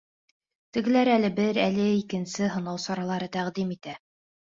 Тегеләр әле бер, әле икенсе һынау саралары тәҡдим итә.